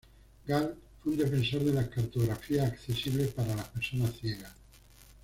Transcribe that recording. Gall fue un defensor de la cartografía accesible para las personas ciegas.